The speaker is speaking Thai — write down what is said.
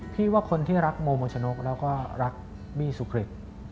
พี่ว่าคนที่รักโมโมชนกแล้วก็รักบี้สุกริต